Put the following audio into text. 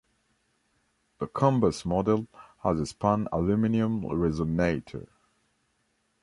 The Cumbus model has a spun aluminum resonator.